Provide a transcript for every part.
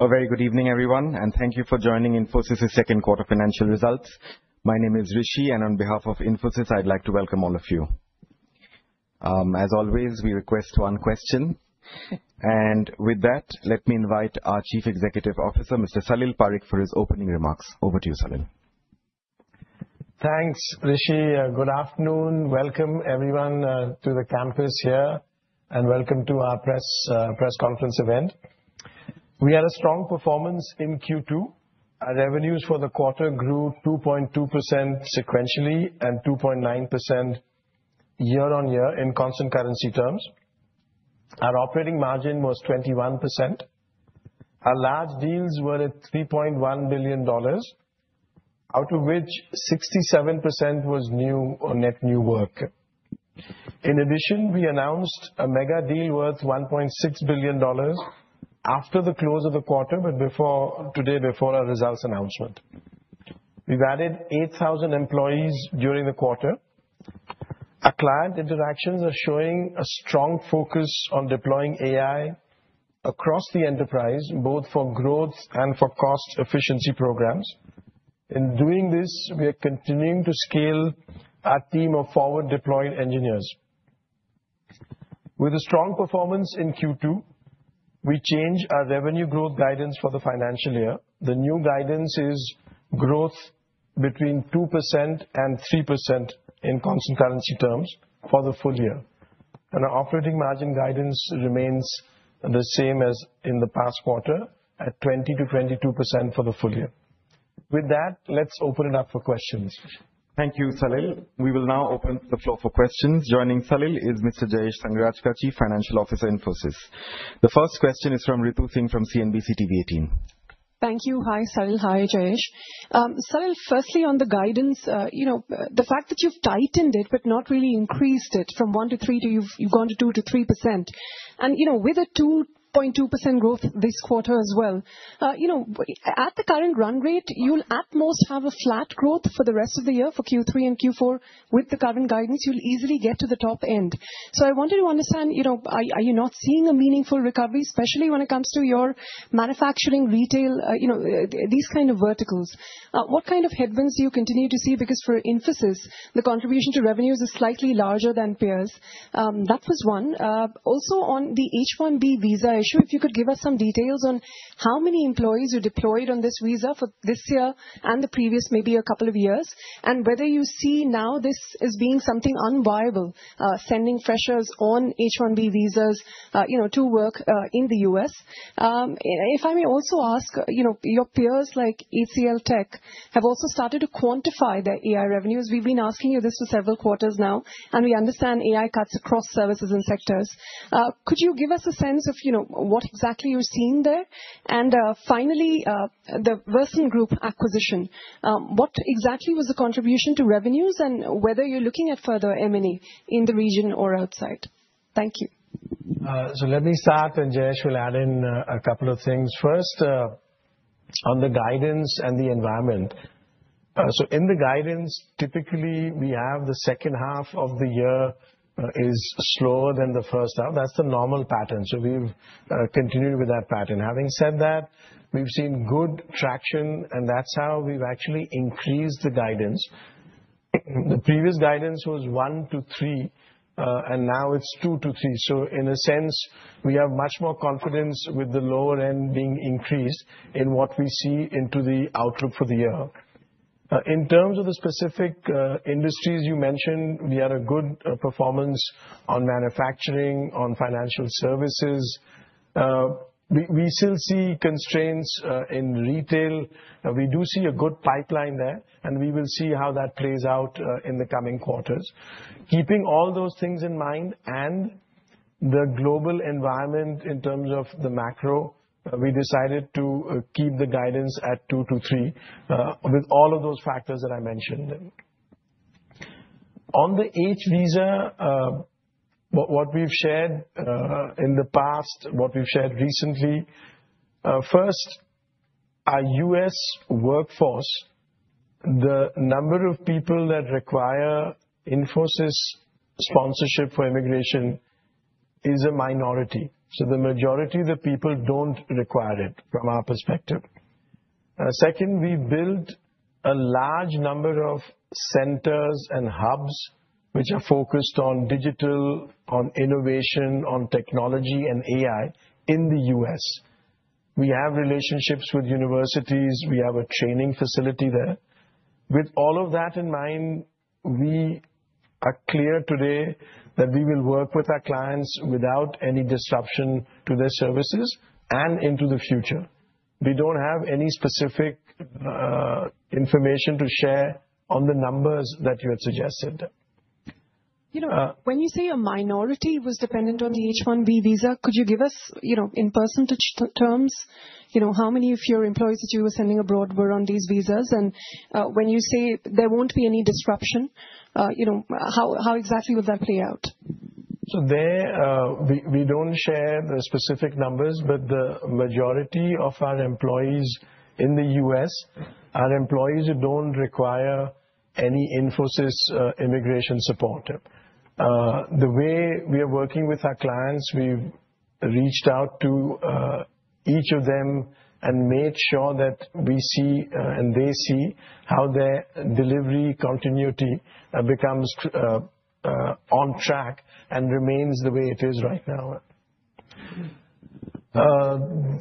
A very good evening, everyone, and thank you for joining Infosys' second quarter financial results. My name is Rishi, and on behalf of Infosys, I'd like to welcome all of you. As always, we request one question, and with that, let me invite our Chief Executive Officer, Mr. Salil Parekh, for his opening remarks. Over to you, Salil. Thanks, Rishi. Good afternoon. Welcome, everyone, to the campus here, and welcome to our press conference event. We had a strong performance in Q2. Our revenues for the quarter grew 2.2% sequentially and 2.9% year-on-year in constant currency terms. Our operating margin was 21%. Our large deals were at $3.1 billion, out of which 67% was new or net new work. In addition, we announced a mega deal worth $1.6 billion after the close of the quarter, but today, before our results announcement. We've added 8,000 employees during the quarter. Our client interactions are showing a strong focus on deploying AI across the enterprise, both for growth and for cost efficiency programs. In doing this, we are continuing to scale our team of forward-deployed engineers. With a strong performance in Q2, we changed our revenue growth guidance for the financial year. The new guidance is growth between 2% and 3% in constant currency terms for the full year, and our operating margin guidance remains the same as in the past quarter, at 20%-22% for the full year. With that, let's open it up for questions. Thank you, Salil. We will now open the floor for questions. Joining Salil is Mr. Jayesh Sanghrajka, Chief Financial Officer, Infosys. The first question is from Ritu Singh from CNBC-TV18. Thank you. Hi, Salil. Hi, Jayesh. Salil, firstly, on the guidance, the fact that you've tightened it but not really increased it from 1% to 3%, you've gone to 2% to 3%. And with a 2.2% growth this quarter as well, at the current run rate, you'll at most have a flat growth for the rest of the year for Q3 and Q4. With the current guidance, you'll easily get to the top end. So I wanted to understand, are you not seeing a meaningful recovery, especially when it comes to your manufacturing, retail, these kinds of verticals? What kind of headwinds do you continue to see? Because for Infosys, the contribution to revenues is slightly larger than peers. That was one. Also, on the H-1B visa issue, if you could give us some details on how many employees you deployed on this visa for this year and the previous, maybe a couple of years, and whether you see now this as being something unviable, sending freshers on H-1B visas to work in the U.S.? If I may also ask, your peers like HCLTech have also started to quantify their AI revenues. We've been asking you this for several quarters now, and we understand AI cuts across services and sectors. Could you give us a sense of what exactly you're seeing there? And finally, the Versent Group acquisition, what exactly was the contribution to revenues and whether you're looking at further M&A in the region or outside? Thank you. So let me start, and Jayesh will add in a couple of things. First, on the guidance and the environment. So in the guidance, typically, we have the second half of the year is slower than the first half. That's the normal pattern. So we've continued with that pattern. Having said that, we've seen good traction, and that's how we've actually increased the guidance. The previous guidance was 1%-3%, and now it's 2%-3%. So in a sense, we have much more confidence with the lower end being increased in what we see into the outlook for the year. In terms of the specific industries you mentioned, we had a good performance on manufacturing, on financial services. We still see constraints in retail. We do see a good pipeline there, and we will see how that plays out in the coming quarters. Keeping all those things in mind and the global environment in terms of the macro, we decided to keep the guidance at 2%-3% with all of those factors that I mentioned. On the H-1B visa, what we've shared in the past, what we've shared recently, first, our U.S. workforce, the number of people that require Infosys sponsorship for immigration is a minority. So the majority of the people don't require it from our perspective. Second, we built a large number of centers and hubs which are focused on digital, on innovation, on technology, and AI in the U.S. We have relationships with universities. We have a training facility there. With all of that in mind, we are clear today that we will work with our clients without any disruption to their services and into the future. We don't have any specific information to share on the numbers that you had suggested. When you say a minority was dependent on the H-1B visa, could you give us, in person terms, how many of your employees that you were sending abroad were on these visas? And when you say there won't be any disruption, how exactly will that play out? So we don't share the specific numbers, but the majority of our employees in the U.S. are employees who don't require any Infosys immigration support. The way we are working with our clients, we've reached out to each of them and made sure that we see and they see how their delivery continuity becomes on track and remains the way it is right now.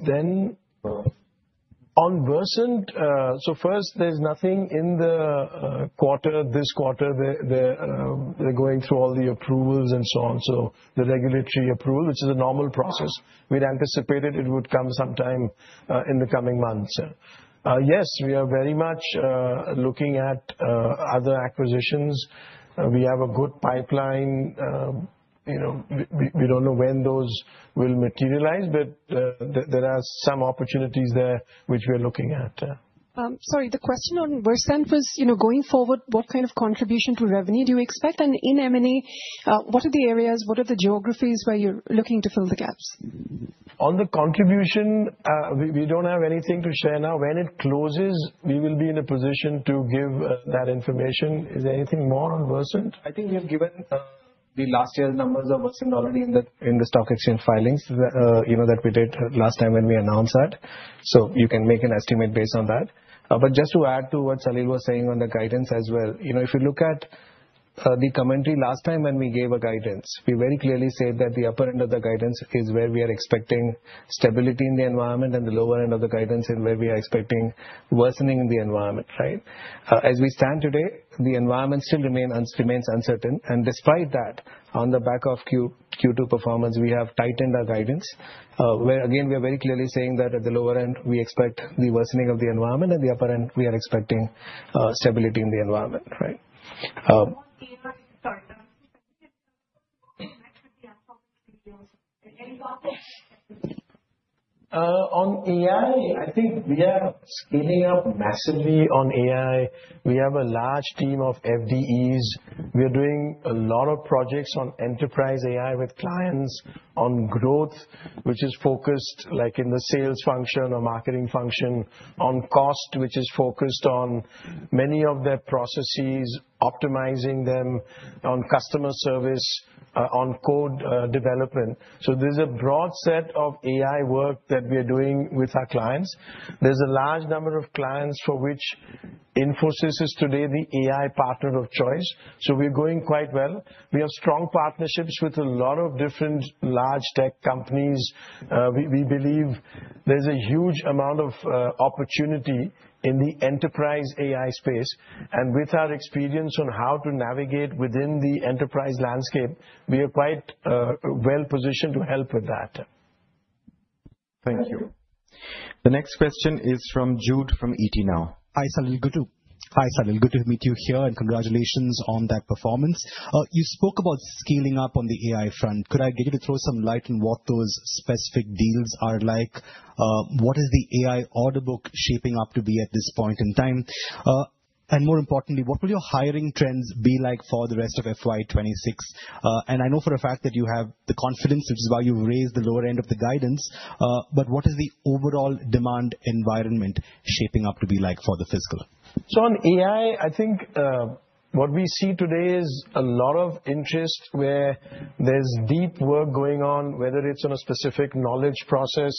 Then on Versent, so first, there's nothing in the quarter. This quarter, they're going through all the approvals and so on. So the regulatory approval, which is a normal process, we'd anticipated it would come sometime in the coming months. Yes, we are very much looking at other acquisitions. We have a good pipeline. We don't know when those will materialize, but there are some opportunities there which we are looking at. Sorry, the question on Versent was, going forward, what kind of contribution to revenue do you expect, and in M&A, what are the areas, what are the geographies where you're looking to fill the gaps? On the contribution, we don't have anything to share now. When it closes, we will be in a position to give that information. Is there anything more on Versent? I think we have given the last year's numbers of Versent already in the stock exchange filings that we did last time when we announced that, so you can make an estimate based on that, but just to add to what Salil was saying on the guidance as well, if you look at the commentary last time when we gave a guidance, we very clearly said that the upper end of the guidance is where we are expecting stability in the environment, and the lower end of the guidance is where we are expecting worsening in the environment. As we stand today, the environment still remains uncertain, and despite that, on the back of Q2 performance, we have tightened our guidance. Again, we are very clearly saying that at the lower end, we expect the worsening of the environment, and the upper end, we are expecting stability in the environment. On AI, I think we are scaling up massively on AI. We have a large team of FDEs. We are doing a lot of projects on enterprise AI with clients on growth, which is focused in the sales function or marketing function, on cost, which is focused on many of their processes, optimizing them on customer service, on code development. So there's a broad set of AI work that we are doing with our clients. There's a large number of clients for which Infosys is today the AI partner of choice. So we're going quite well. We have strong partnerships with a lot of different large tech companies. We believe there's a huge amount of opportunity in the enterprise AI space. And with our experience on how to navigate within the enterprise landscape, we are quite well positioned to help with that. Thank you. The next question is from Jude from ET Now. Hi, Salil. Good to meet you here, and congratulations on that performance. You spoke about scaling up on the AI front. Could I get you to throw some light on what those specific deals are like? What is the AI order book shaping up to be at this point in time? And more importantly, what will your hiring trends be like for the rest of FY26? And I know for a fact that you have the confidence, which is why you've raised the lower end of the guidance. But what is the overall demand environment shaping up to be like for the fiscal? So on AI, I think what we see today is a lot of interest where there's deep work going on, whether it's on a specific knowledge process,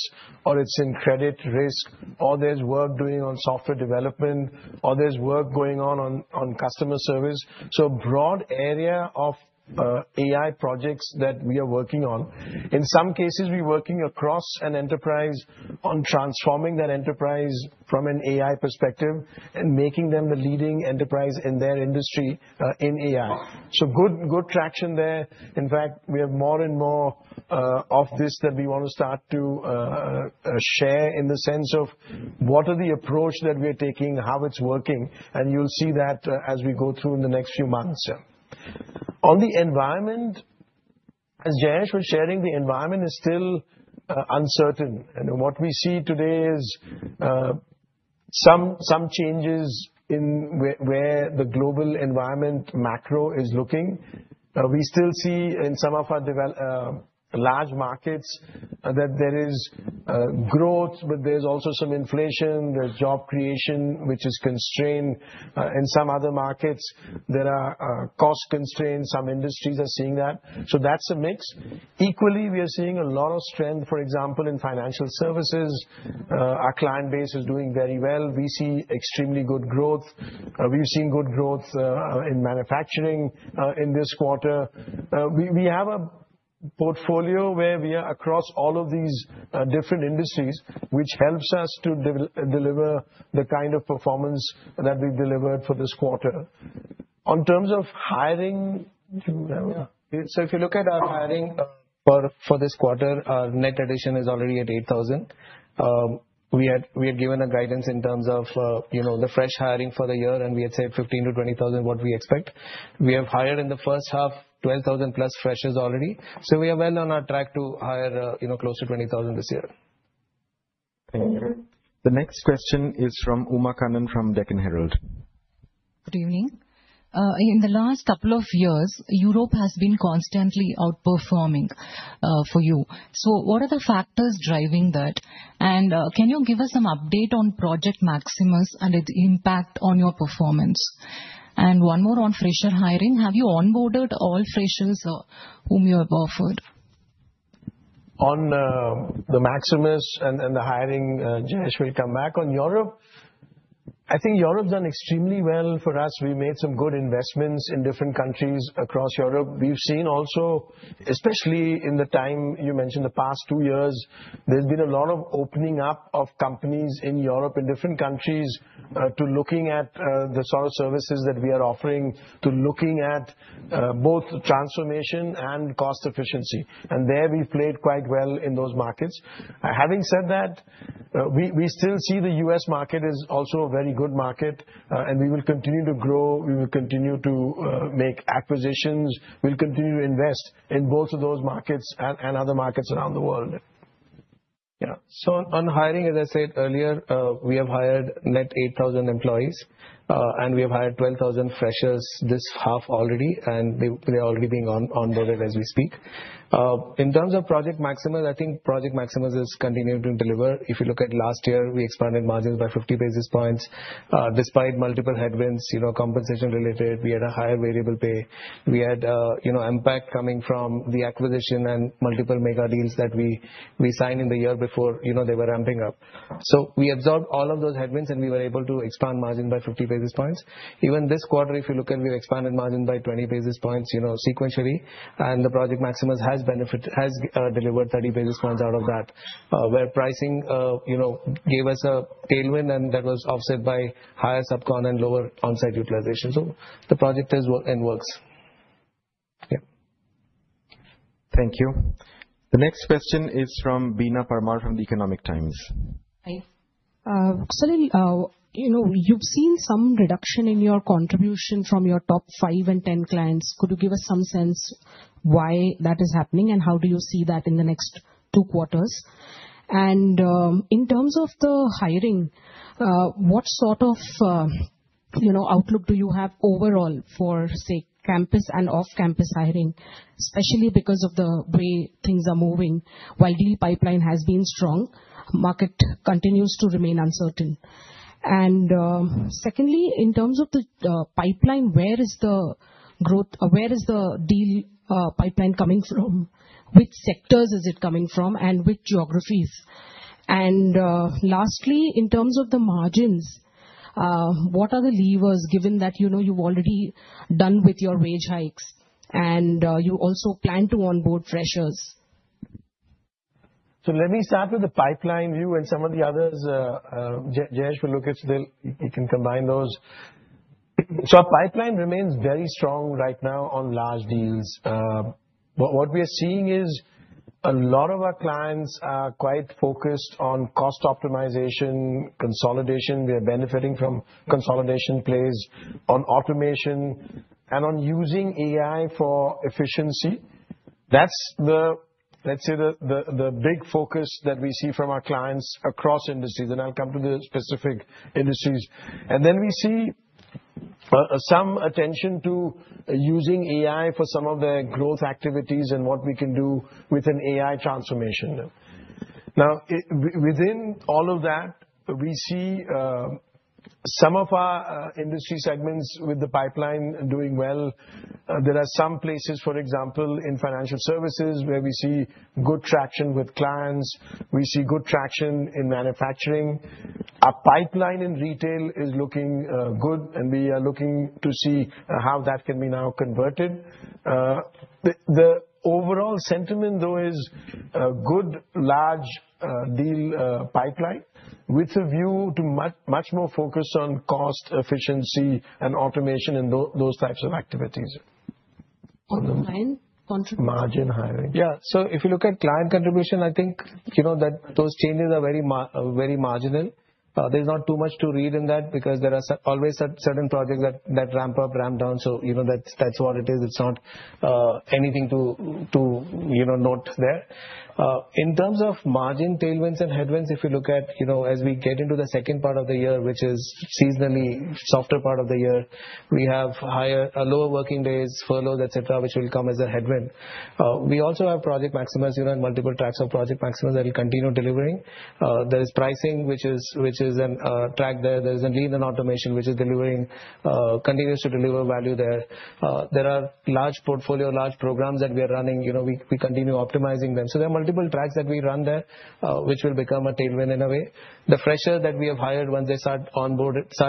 or it's in credit risk, or there's work doing on software development, or there's work going on on customer service. So a broad area of AI projects that we are working on. In some cases, we're working across an enterprise on transforming that enterprise from an AI perspective and making them the leading enterprise in their industry in AI. So good traction there. In fact, we have more and more of this that we want to start to share in the sense of what are the approach that we are taking, how it's working. And you'll see that as we go through in the next few months. On the environment, as Jayesh was sharing, the environment is still uncertain. And what we see today is some changes in where the global environment macro is looking. We still see in some of our large markets that there is growth, but there's also some inflation. There's job creation, which is constrained. In some other markets, there are cost constraints. Some industries are seeing that. So that's a mix. Equally, we are seeing a lot of strength, for example, in financial services. Our client base is doing very well. We see extremely good growth. We've seen good growth in manufacturing in this quarter. We have a portfolio where we are across all of these different industries, which helps us to deliver the kind of performance that we've delivered for this quarter. On terms of hiring, so if you look at our hiring for this quarter, our net addition is already at 8,000. We had given a guidance in terms of the fresh hiring for the year, and we had said 15,000 to 20,000, what we expect. We have hired in the first half 12,000 plus freshers already, so we are well on our track to hire close to 20,000 this year. Thank you. The next question is from Uma Kannan from Deccan Herald. Good evening. In the last couple of years, Europe has been constantly outperforming for you. So what are the factors driving that? And can you give us some update on Project Maximus and its impact on your performance? And one more on fresher hiring. Have you onboarded all freshers whom you have offered? On the Maximus and the hiring, Jayesh will come back. On Europe, I think Europe has done extremely well for us. We made some good investments in different countries across Europe. We've seen also, especially in the time you mentioned, the past two years, there's been a lot of opening up of companies in Europe in different countries to looking at the sort of services that we are offering, to looking at both transformation and cost efficiency, and there we've played quite well in those markets. Having said that, we still see the U.S. market is also a very good market, and we will continue to grow. We will continue to make acquisitions. We'll continue to invest in both of those markets and other markets around the world. Yeah. So on hiring, as I said earlier, we have hired net 8,000 employees, and we have hired 12,000 freshers this half already, and they're already being onboarded as we speak. In terms of Project Maximus, I think Project Maximus has continued to deliver. If you look at last year, we expanded margins by 50 basis points despite multiple headwinds, compensation related. We had a higher variable pay. We had impact coming from the acquisition and multiple mega deals that we signed in the year before they were ramping up. So we absorbed all of those headwinds, and we were able to expand margin by 50 basis points. Even this quarter, if you look at, we've expanded margin by 20 basis points sequentially, and the Project Maximus has delivered 30 basis points out of that, where pricing gave us a tailwind, and that was offset by higher subcon and lower onsite utilization. So the project is in works. Thank you. The next question is from Beena Parmar from The Economic Times. Salil, you've seen some reduction in your contribution from your top five and 10 clients. Could you give us some sense why that is happening, and how do you see that in the next two quarters? And in terms of the hiring, what sort of outlook do you have overall for, say, campus and off-campus hiring, especially because of the way things are moving? While the pipeline has been strong, the market continues to remain uncertain. And secondly, in terms of the pipeline, where is the growth? Where is the deal pipeline coming from? Which sectors is it coming from, and which geographies? And lastly, in terms of the margins, what are the levers, given that you've already done with your wage hikes, and you also plan to onboard freshers? So let me start with the pipeline view, and some of the others. Jayesh, if you look at, you can combine those. So our pipeline remains very strong right now on large deals. What we are seeing is a lot of our clients are quite focused on cost optimization, consolidation. We are benefiting from consolidation plays on automation and on using AI for efficiency. That's, let's say, the big focus that we see from our clients across industries. And I'll come to the specific industries. And then we see some attention to using AI for some of their growth activities and what we can do with an AI transformation. Now, within all of that, we see some of our industry segments with the pipeline doing well. There are some places, for example, in financial services, where we see good traction with clients. We see good traction in manufacturing. Our pipeline in retail is looking good, and we are looking to see how that can be now converted. The overall sentiment, though, is a good large deal pipeline with a view to much more focus on cost efficiency and automation and those types of activities. Margin hiring. Margin hiring. Yeah, so if you look at client contribution, I think those changes are very marginal. There's not too much to read in that because there are always certain projects that ramp up, ramp down, so that's what it is. It's not anything to note there. In terms of margin, tailwinds and headwinds, if you look at, as we get into the second part of the year, which is seasonally softer part of the year, we have lower working days, furloughs, etc., which will come as a headwind. We also have Project Maximus and multiple tracks of Project Maximus that will continue delivering. There is pricing, which is a track there. There is a lean and automation, which continues to deliver value there. There are large portfolio, large programs that we are running. We continue optimizing them. So there are multiple tracks that we run there, which will become a tailwind in a way. The freshers that we have hired, once they start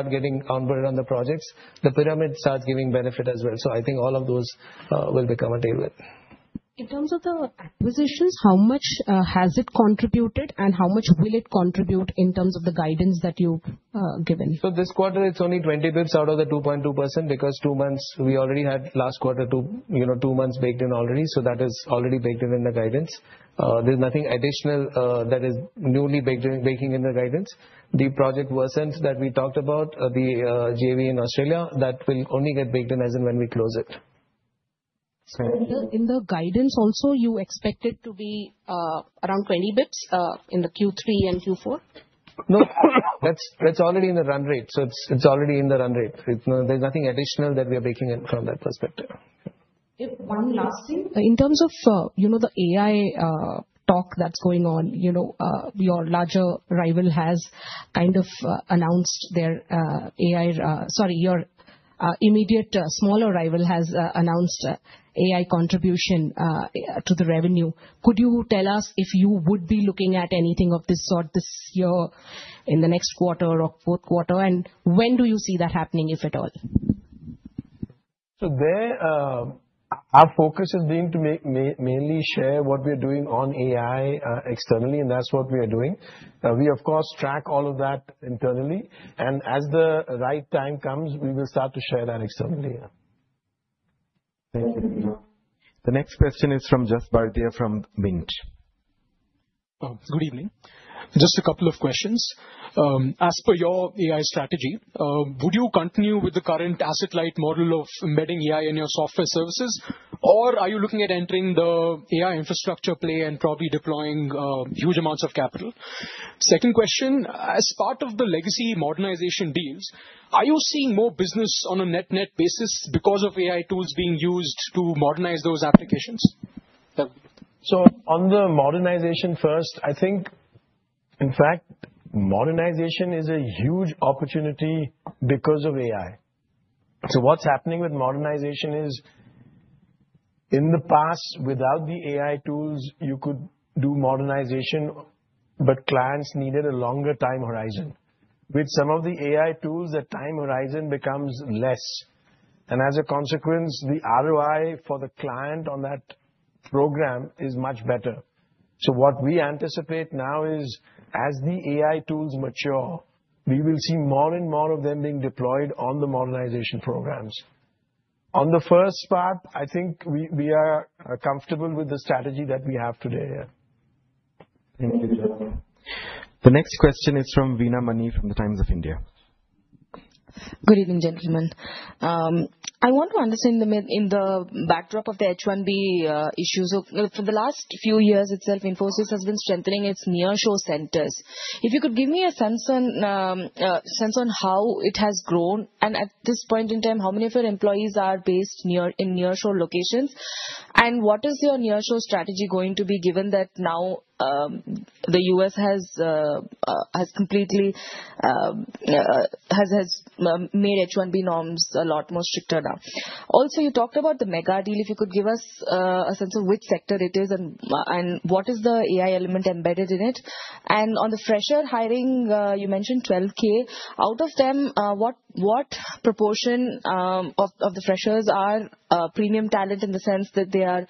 getting onboarded on the projects, the pyramid starts giving benefit as well. So I think all of those will become a tailwind. In terms of the acquisitions, how much has it contributed, and how much will it contribute in terms of the guidance that you've given? So this quarter, it's only 20 basis points out of the 2.2% because two months, we already had last quarter, two months baked in already. So that is already baked in in the guidance. The project Versent that we talked about, the JV in Australia, that will only get baked in as and when we close it. In the guidance also, you expected to be around 20 basis points in the Q3 and Q4? No. That's already in the run rate, so it's already in the run rate. There's nothing additional that we are baking in from that perspective. One last thing. In terms of the AI talk that's going on, your larger rival has kind of announced their AI, sorry, your immediate smaller rival has announced AI contribution to the revenue. Could you tell us if you would be looking at anything of this sort this year, in the next quarter or fourth quarter, and when do you see that happening, if at all? So there, our focus has been to mainly share what we are doing on AI externally, and that's what we are doing. We, of course, track all of that internally, and as the right time comes, we will start to share that externally. Thank you. The next question is from Jas Bardia from Mint. Good evening. Just a couple of questions. As per your AI strategy, would you continue with the current asset-light model of embedding AI in your software services, or are you looking at entering the AI infrastructure play and probably deploying huge amounts of capital? Second question, as part of the legacy modernization deals, are you seeing more business on a net-net basis because of AI tools being used to modernize those applications? So on the modernization first, I think, in fact, modernization is a huge opportunity because of AI. So what's happening with modernization is, in the past, without the AI tools, you could do modernization, but clients needed a longer time horizon. With some of the AI tools, the time horizon becomes less. And as a consequence, the ROI for the client on that program is much better. So what we anticipate now is, as the AI tools mature, we will see more and more of them being deployed on the modernization programs. On the first part, I think we are comfortable with the strategy that we have today. Thank you, Jayesh. The next question is from Veena Mani from The Times of India. Good evening, gentlemen. I want to understand in the backdrop of the H-1B issues, for the last few years, itself, Infosys has been strengthening its nearshore centers. If you could give me a sense on how it has grown, and at this point in time, how many of your employees are based in nearshore locations, and what is your nearshore strategy going to be, given that now the U.S. has made H-1B norms a lot more stricter now? Also, you talked about the mega deal. If you could give us a sense of which sector it is and what is the AI element embedded in it? And on the fresher hiring, you mentioned 12K. Out of them, what proportion of the freshers are premium talent in the sense that they are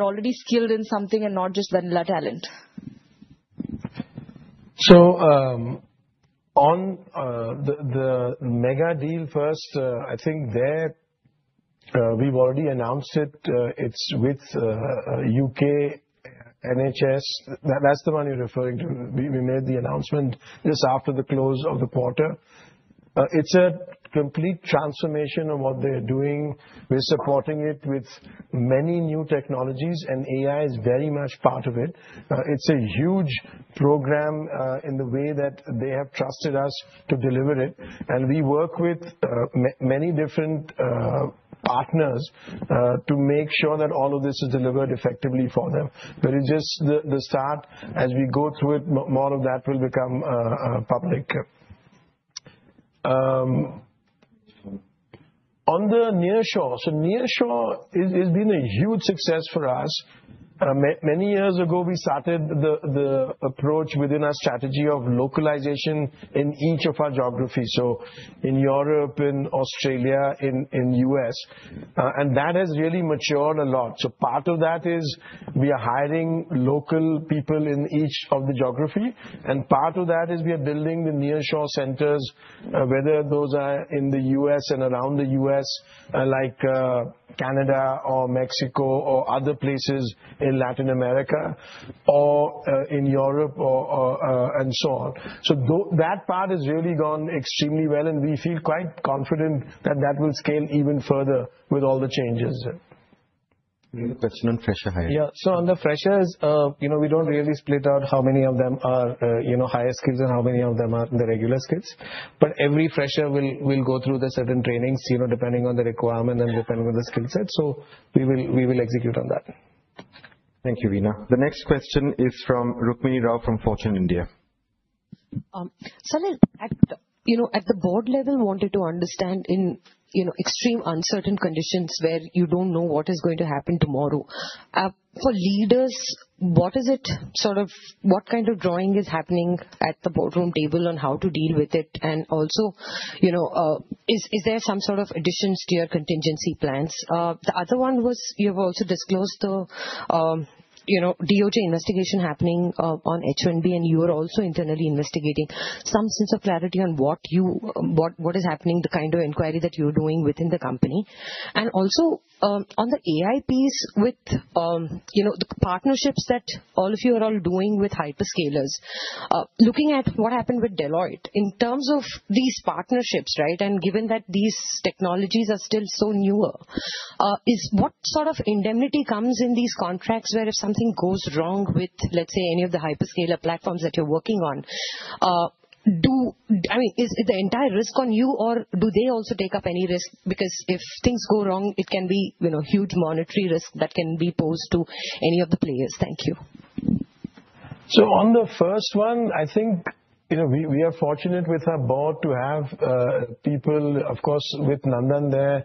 already skilled in something and not just vanilla talent? So on the mega deal first, I think we've already announced it. It's with U.K. NHS. That's the one you're referring to. We made the announcement just after the close of the quarter. It's a complete transformation of what they're doing. We're supporting it with many new technologies, and AI is very much part of it. It's a huge program in the way that they have trusted us to deliver it. And we work with many different partners to make sure that all of this is delivered effectively for them. But it's just the start. As we go through it, more of that will become public. On the nearshore, so nearshore has been a huge success for us. Many years ago, we started the approach within our strategy of localization in each of our geographies, so in Europe, in Australia, in the U.S. And that has really matured a lot. So part of that is we are hiring local people in each of the geographies. And part of that is we are building the nearshore centers, whether those are in the U.S. and around the U.S., like Canada or Mexico or other places in Latin America or in Europe and so on. So that part has really gone extremely well, and we feel quite confident that that will scale even further with all the changes. Question on fresher hiring. Yeah. So on the freshers, we don't really split out how many of them are higher skills and how many of them are the regular skills. But every fresher will go through the certain trainings, depending on the requirement and depending on the skill set. So we will execute on that. Thank you, Veena. The next question is from Rukmini Rao from Fortune India. Salil, at the board level, wanted to understand in extreme uncertain conditions where you don't know what is going to happen tomorrow. For leaders, what is it sort of what kind of drawing is happening at the boardroom table on how to deal with it? And also, is there some sort of additions to your contingency plans? The other one was you have also disclosed the DOJ investigation happening on H-1B, and you are also internally investigating. Some sense of clarity on what is happening, the kind of inquiry that you're doing within the company. And also, on the AI piece, with the partnerships that all of you are all doing with hyperscalers, looking at what happened with Deloitte, in terms of these partnerships, right, and given that these technologies are still so newer, what sort of indemnity comes in these contracts where if something goes wrong with, let's say, any of the hyperscaler platforms that you're working on, I mean, is the entire risk on you, or do they also take up any risk? Because if things go wrong, it can be a huge monetary risk that can be posed to any of the players. Thank you. So on the first one, I think we are fortunate with our board to have people, of course, with Nandan there,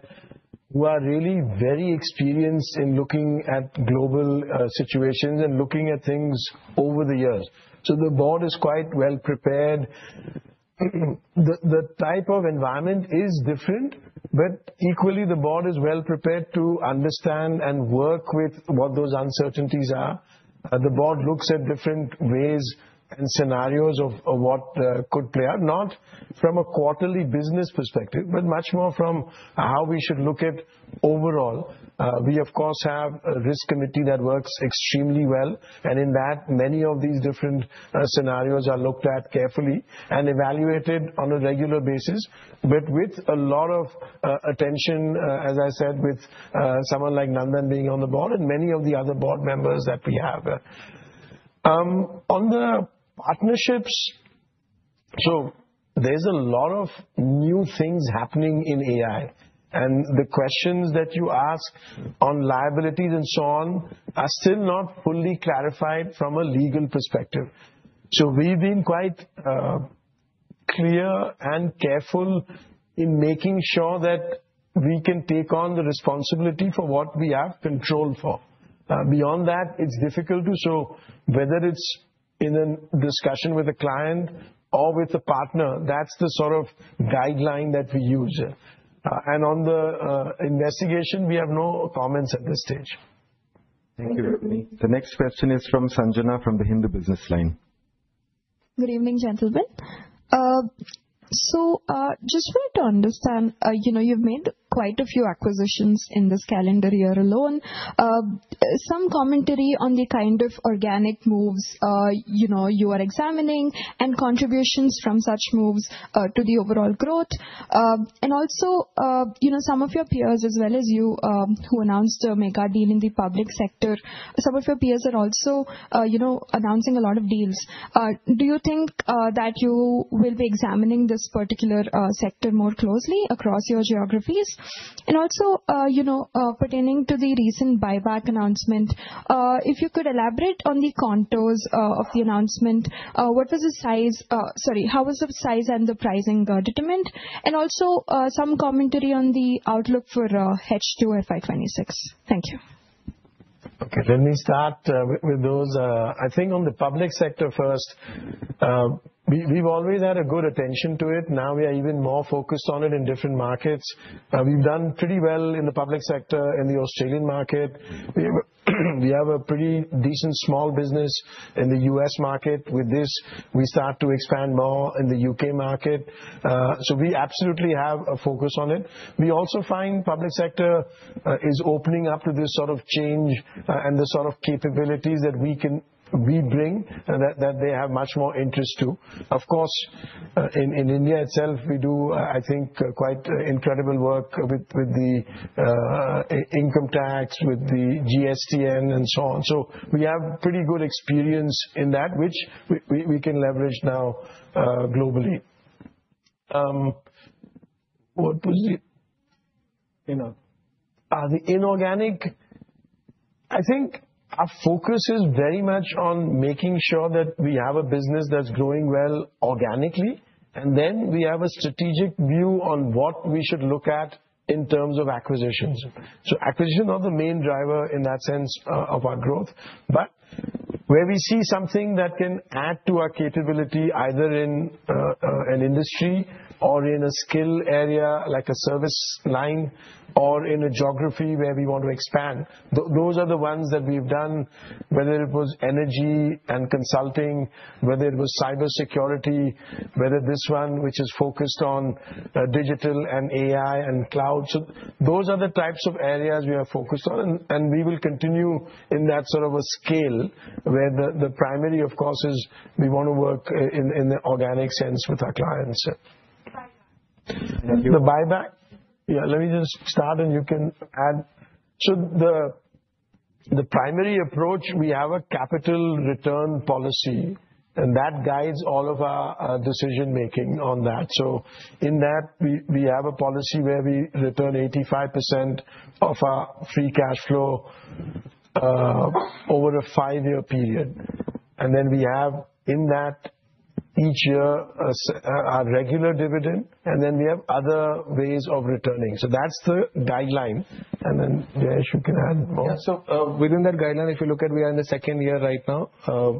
who are really very experienced in looking at global situations and looking at things over the years. So the board is quite well prepared. The type of environment is different, but equally, the board is well prepared to understand and work with what those uncertainties are. The board looks at different ways and scenarios of what could play out, not from a quarterly business perspective, but much more from how we should look at overall. We, of course, have a risk committee that works extremely well. Many of these different scenarios are looked at carefully and evaluated on a regular basis, but with a lot of attention, as I said, with someone like Nandan being on the board and many of the other board members that we have. On the partnerships, so there's a lot of new things happening in AI. And the questions that you ask on liabilities and so on are still not fully clarified from a legal perspective. So we've been quite clear and careful in making sure that we can take on the responsibility for what we have control for. Beyond that, it's difficult to. So whether it's in a discussion with a client or with a partner, that's the sort of guideline that we use. And on the investigation, we have no comments at this stage. Thank you, Rukmini. The next question is from Sanjana from the Hindu Business Line. Good evening, gentlemen, so just for you to understand, you've made quite a few acquisitions in this calendar year alone, some commentary on the kind of organic moves you are examining and contributions from such moves to the overall growth, and also, some of your peers, as well as you who announced a mega deal in the public sector, some of your peers are also announcing a lot of deals. Do you think that you will be examining this particular sector more closely across your geographies, and also, pertaining to the recent buyback announcement, if you could elaborate on the contours of the announcement, what was the size, sorry, how was the size and the pricing determined, and also some commentary on the outlook for H2 or FY26. Thank you. Okay, let me start with those. I think on the public sector first, we've always had a good attention to it. Now we are even more focused on it in different markets. We've done pretty well in the public sector, in the Australian market. We have a pretty decent small business in the U.S. market. With this, we start to expand more in the U.K. market. So we absolutely have a focus on it. We also find public sector is opening up to this sort of change and the sort of capabilities that we bring that they have much more interest to. Of course, in India itself, we do, I think, quite incredible work with the income tax, with the GSTN, and so on. So we have pretty good experience in that, which we can leverage now globally. What was the? Are the inorganic? I think our focus is very much on making sure that we have a business that's growing well organically. And then we have a strategic view on what we should look at in terms of acquisitions. So acquisitions are the main driver in that sense of our growth. But where we see something that can add to our capability, either in an industry or in a skill area like a service line or in a geography where we want to expand, those are the ones that we've done, whether it was energy and consulting, whether it was cybersecurity, whether this one, which is focused on digital and AI and cloud. So those are the types of areas we are focused on. And we will continue in that sort of a scale where the primary, of course, is we want to work in the organic sense with our clients. Thank you. The buyback? Yeah, let me just start, and you can add. So the primary approach, we have a capital return policy, and that guides all of our decision-making on that. So in that, we have a policy where we return 85% of our free cash flow over a five-year period. And then we have in that each year our regular dividend, and then we have other ways of returning. So that's the guideline. And then, Jayesh, you can add more. Yeah, so within that guideline, if you look at, we are in the second year right now.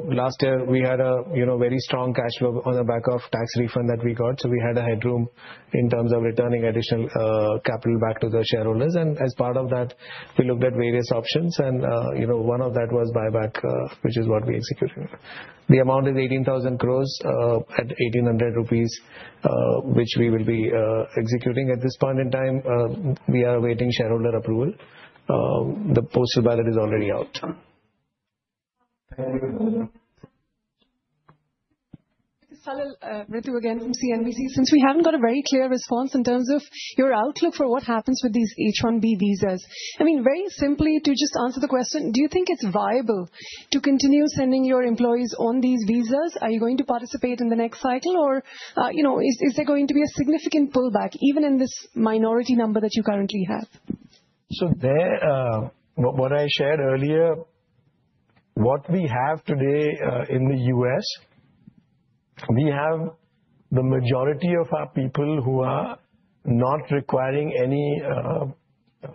Last year, we had a very strong cash flow on the back of tax refund that we got. So we had a headroom in terms of returning additional capital back to the shareholders. And as part of that, we looked at various options. And one of that was buyback, which is what we executed. The amount of 18,000 crores at 1,800 rupees, which we will be executing. At this point in time, we are awaiting shareholder approval. The postal ballot is already out. Salil, Ritu again from CNBC. Since we haven't got a very clear response in terms of your outlook for what happens with these H-1B visas, I mean, very simply, to just answer the question, do you think it's viable to continue sending your employees on these visas? Are you going to participate in the next cycle, or is there going to be a significant pullback even in this minority number that you currently have? So what I shared earlier, what we have today in the U.S., we have the majority of our people who are not requiring any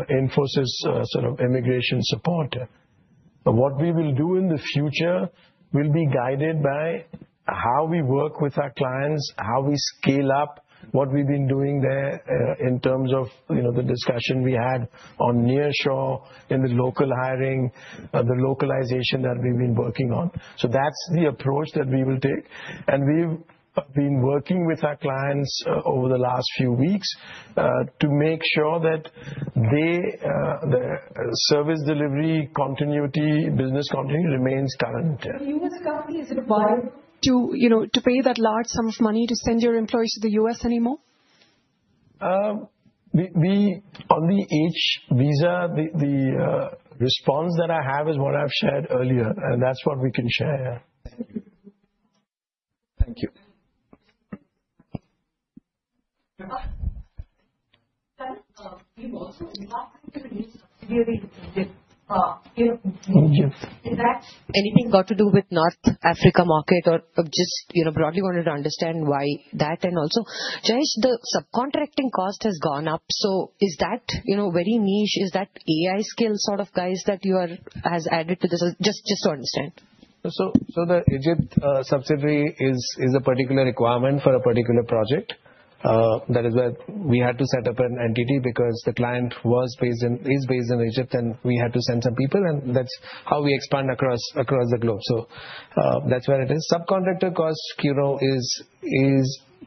Infosys sort of immigration support. What we will do in the future will be guided by how we work with our clients, how we scale up what we've been doing there in terms of the discussion we had on nearshore in the local hiring, the localization that we've been working on. So that's the approach that we will take. And we've been working with our clients over the last few weeks to make sure that the service delivery continuity, business continuity remains current. The U.S. company is required to pay that large sum of money to send your employees to the U.S. anymore? On the H-1B visa, the response that I have is what I've shared earlier, and that's what we can share. Thank you. Salil, you also did not come to the new subsidiary in Egypt. Is that anything got to do with the North Africa market, or just broadly wanted to understand why that? And also, Jayesh, the subcontracting cost has gone up. So is that very niche? Is that AI skill sort of guys that you have added to this? Just to understand. So the Egypt subsidiary is a particular requirement for a particular project. That is why we had to set up an entity because the client is based in Egypt, and we had to send some people. And that's how we expand across the globe. So that's where it is. Subcontractor cost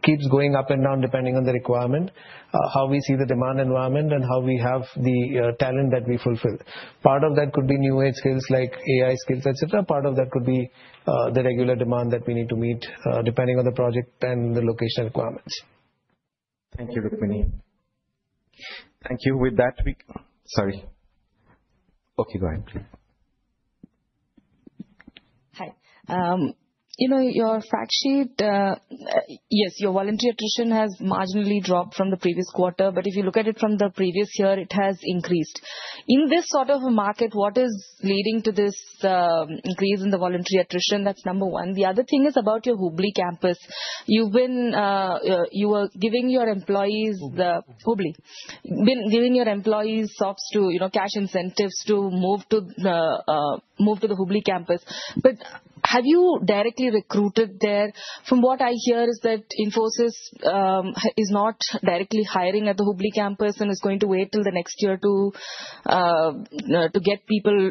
keeps going up and down depending on the requirement, how we see the demand environment, and how we have the talent that we fulfill. Part of that could be new-age skills like AI skills, etc. Part of that could be the regular demand that we need to meet depending on the project and the location requirements. Thank you, Rukmini. Thank you. With that, we sorry. Okay, go ahead, please. Hi. Your fact sheet, yes, your voluntary attrition has marginally dropped from the previous quarter. But if you look at it from the previous year, it has increased. In this sort of a market, what is leading to this increase in the voluntary attrition? That's number one. The other thing is about your Hubli campus. You were giving your employees Hubli. You've been giving your employees cash incentives to move to the Hubli campus. But have you directly recruited there? From what I hear, is that Infosys is not directly hiring at the Hubli campus and is going to wait till the next year to get people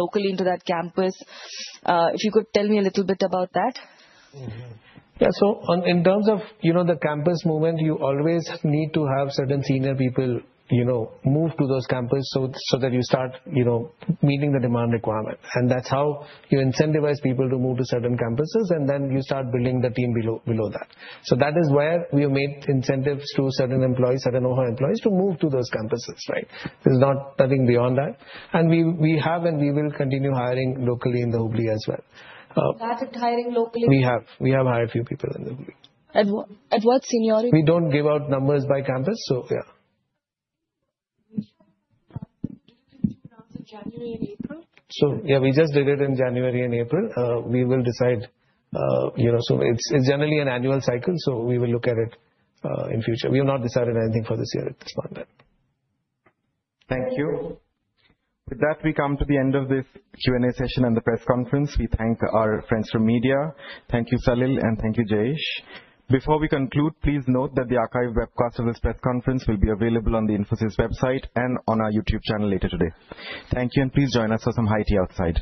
locally into that campus. If you could tell me a little bit about that. Yeah, so in terms of the campus movement, you always need to have certain senior people move to those campuses so that you start meeting the demand requirement. And that's how you incentivize people to move to certain campuses, and then you start building the team below that. So that is where we have made incentives to certain employees, certain of our employees, to move to those campuses, right? There's nothing beyond that. And we have, and we will continue hiring locally in the Hubli as well. Started hiring locally? We have hired a few people in the Hubli. At what seniority? We don't give out numbers by campus, so yeah. You shared that you didn't continue around January and April. So yeah, we just did it in January and April. We will decide. So it's generally an annual cycle, so we will look at it in future. We have not decided anything for this year at this point. Thank you. With that, we come to the end of this Q&A session and the press conference. We thank our friends from media. Thank you, Salil, and thank you, Jayesh. Before we conclude, please note that the archived webcast of this press conference will be available on the Infosys website and on our YouTube channel later today. Thank you, and please join us for some high tea outside.